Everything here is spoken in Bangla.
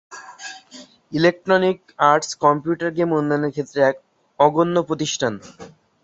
ইলেকট্রনিক আর্টস কম্পিউটার গেম উন্নয়নের ক্ষেত্রে এক অগ্রগণ্য প্রতিষ্ঠান।